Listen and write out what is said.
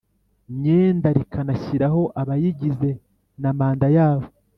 Myenda rikanashyiraho abayigize na manda yabo